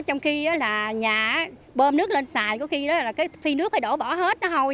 trong khi nhà bơm nước lên xài có khi phi nước phải đổ bỏ hết